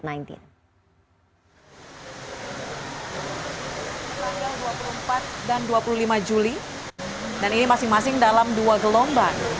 tanggal dua puluh empat dan dua puluh lima juli dan ini masing masing dalam dua gelombang